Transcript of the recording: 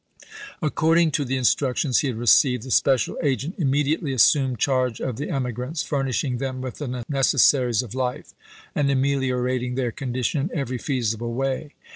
Accord ing to the instructions he had received, the special agent immediately assumed charge of the emi grants, furnishing them with the necessaries of life, and ameHorating their condition in every feasible way.